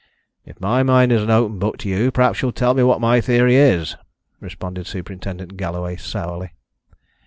"If my mind is an open book to you perhaps you'll tell me what my theory is," responded Superintendent Galloway, sourly.